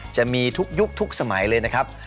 จะมีทุกยุคทุกสมัยเลยนะครับ